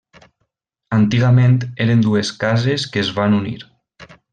Antigament eren dues cases que es van unir.